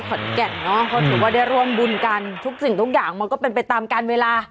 แก่นเนอะเขาถือว่าได้ร่วมบุญกันทุกสิ่งทุกอย่างมันก็เป็นไปตามการเวลา